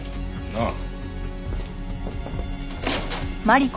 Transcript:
なあ？